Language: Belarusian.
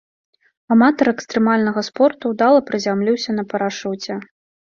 Аматар экстрэмальнага спорту ўдала прызямліўся на парашуце.